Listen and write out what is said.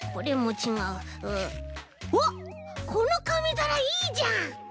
あっこのかみざらいいじゃん！ハハハ。